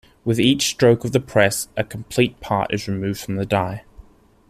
With each stroke of the press, a completed part is removed from the die.